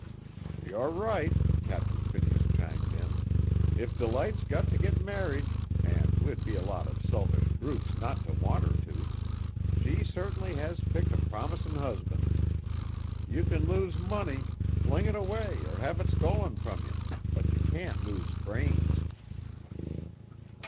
"You're right!" Captain Phineas chimed in. "If Delight's got to get married an' we'd be a lot of selfish brutes not to want her to she certainly has picked a promisin' husband. You can lose money fling it away or have it stolen from you but you can't lose brains."